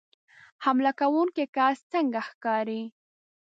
حمله کوونکی کس څنګه ښکاري